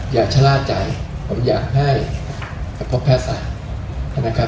อย่าชะลากใจผมอยากให้พวกแพทย์ศักดิ์ธนาคาร